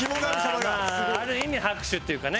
まあある意味拍手っていうかね